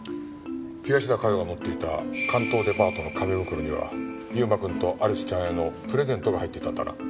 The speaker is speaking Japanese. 東田加代が持っていた関東デパートの紙袋には優馬くんとアリスちゃんへのプレゼントが入っていたんだな。